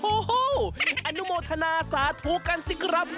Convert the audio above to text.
โอ้โหอนุโมทนาสาธุกันสิครับ